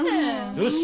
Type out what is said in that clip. よし！